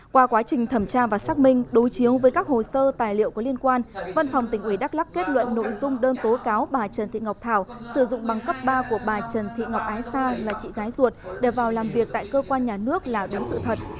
qua quá trình thẩm tra và xác minh đối chiếu với các hồ sơ tài liệu có liên quan văn phòng tỉnh ủy đắk lắc kết luận nội dung đơn tố cáo bà trần thị ngọc thảo sử dụng bằng cấp ba của bà trần thị ngọc ái sa là chị gái ruột để vào làm việc tại cơ quan nhà nước là đúng sự thật